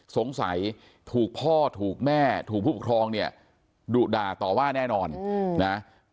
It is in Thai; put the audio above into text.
สงสัยถูกพ่อถูกแม่ถูกผู้ปกครองเนี่ยดุด่าต่อว่าแน่นอนนะ